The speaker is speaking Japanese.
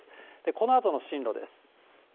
このあとの進路です。